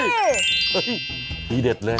เฮ้ยทีเด็ดเลย